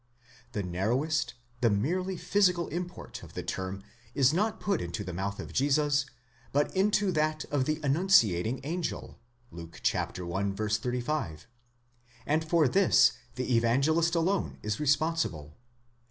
The narrowest, the merely physical import of the term is not put into the mouth of Jesus, but into that of the annunciating angel, Luke i. 35 ; and for this the Evangelist alone is respons ible.